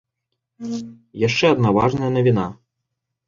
Яшчэ адна важная навіна.